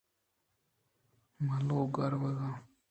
من لوگ ءَ روگ ءَ آں